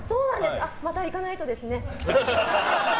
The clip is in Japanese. また行かないとですね。